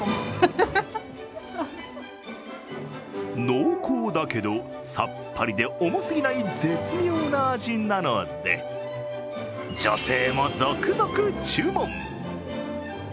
濃厚だけどさっぱりで重すぎない絶妙な味なので女性も続々注文。